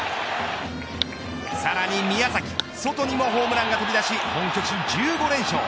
さらに、宮崎、ソトにもホームランが飛び出し本拠地１５連勝。